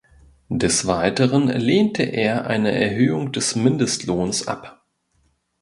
Des Weiteren lehnte er eine Erhöhung des Mindestlohns ab.